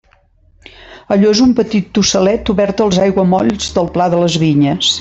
Allò és un petit tossalet obert als aiguamolls del pla de les Vinyes.